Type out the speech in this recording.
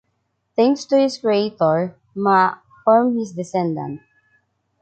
Thanks to his creator, Maa formed his descendant.